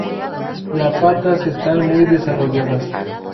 La patas están muy desarrolladas.